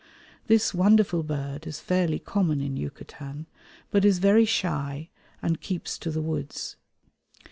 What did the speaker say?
This wonderful bird is fairly common in Yucatan, but is very shy and keeps to the woods.